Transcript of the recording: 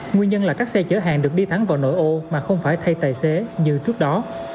nguyên nhân là các xe chở hàng được đi thẳng vào nội ô mà không phải thay tài xế như trước đó